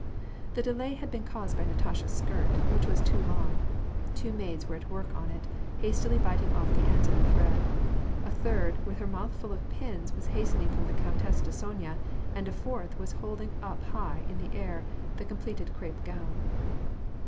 The delay had been caused by Natasha's skirt, which was too long ; two maids were at work on it, hastily biting off the ends of the thread. A third, with her mouth full of pins, was hastening from the countess to Sonya ; and a fourth was hold ing up high in the air the completed crepe gown.